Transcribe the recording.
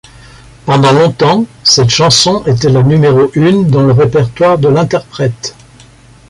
Pendant longtemps cette chanson était la numéro une dans le répertoire de l'interprète.